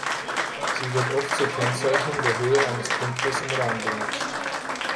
Sie wird oft zur Kennzeichnung der Höhe eines Punktes im Raum benutzt.